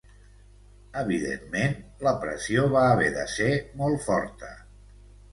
Evidentment, la pressió va haver de ser molt forta.